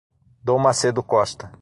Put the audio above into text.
Dom Macedo Costa